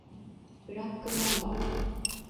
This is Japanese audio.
ブラックマンバ